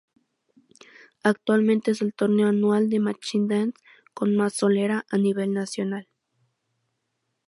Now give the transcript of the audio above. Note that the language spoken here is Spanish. Actualmente es el torneo anual de Machine Dance con más solera a nivel nacional.